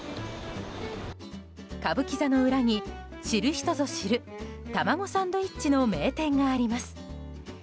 歌舞伎座の裏に知る人ぞ知る卵サンドイッチの名店があります。